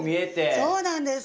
そうなんです。